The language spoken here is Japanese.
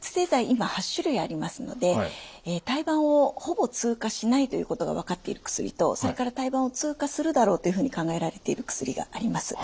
今８種類ありますので胎盤をほぼ通過しないということが分かっている薬とそれから胎盤を通過するだろうというふうに考えられている薬があります。